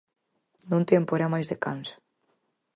Nun tempo era máis de cans.